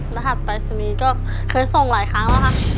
และหลัดไปศนีย์ก็เคยส่งหลายครั้งแล้วค่ะ